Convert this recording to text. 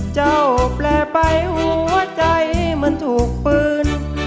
จ้าวแปลไปหัวใจมันถูกปืน